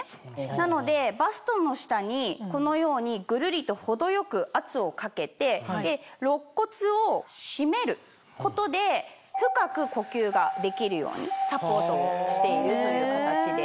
なのでバストの下にこのようにぐるりと程よく圧をかけて肋骨を締めることで深く呼吸ができるようにサポートをしているという形です。